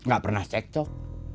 gak pernah cekcok